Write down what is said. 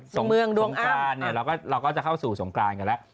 สงกรานเราก็จะเข้าสู่สงกรานกันแล้ว